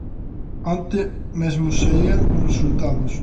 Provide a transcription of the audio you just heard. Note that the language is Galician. Onte mesmo saían os resultados.